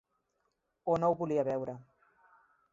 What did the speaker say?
O no ho volia veure.